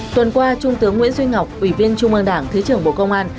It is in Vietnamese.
tuần qua trung tướng nguyễn duy ngọc ủy viên trung ương đảng thứ trưởng bộ công an